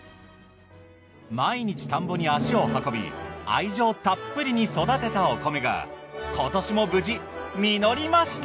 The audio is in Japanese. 毎日田んぼに足を運び愛情たっぷりに育てたお米が今年も無事実りました。